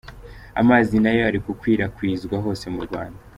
Amazi nayo ari gukwirakwizwa hose mu Rwanda.